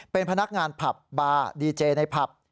เป็นพนักงานผับบาร์ดีเจในผับ